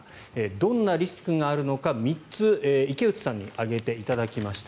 どんなリスクがあるのか３つ、池内さんに挙げていただきました。